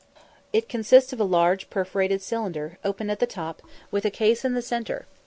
It consists of a large perforated cylinder, open at the top, with a case in the centre.